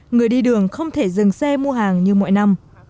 người đi đường không thể dừng xe mua hàng như mọi năm